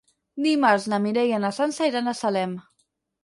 Dimarts na Mireia i na Sança iran a Salem.